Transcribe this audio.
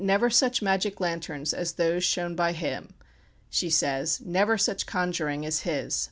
"Never such magic lanterns as those shown by him," she says. "Never such conjuring as his."